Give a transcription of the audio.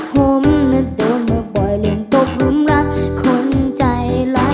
ผมน่ะเดอมมาบ่อยลิ่งตบลุงรักคนใจรัก